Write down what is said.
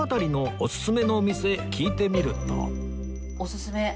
おすすめ。